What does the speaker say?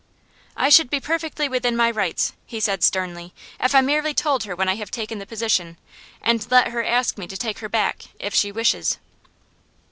'I should be perfectly within my rights,' he said sternly, 'if I merely told her when I have taken the position, and let her ask me to take her back if she wishes.